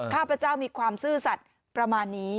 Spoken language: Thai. ข้าพเจ้ามีความซื่อสัตว์ประมาณนี้